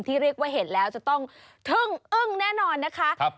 เรียกว่าเห็นแล้วจะต้องทึ่งอึ้งแน่นอนนะคะ